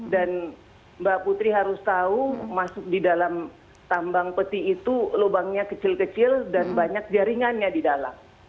dan mbak putri harus tahu masuk di dalam tambang peti itu lubangnya kecil kecil dan banyak jaringannya di dalam